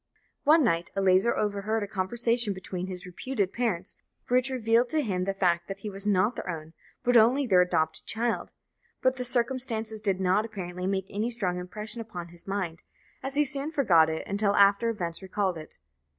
One night Eleazar overheard a conversation between his reputed parents which revealed to him the fact that he was not their own, but only their adopted, child; but the circumstances did not, apparently, make any strong impression upon his mind, as he soon forgot it until after events recalled it.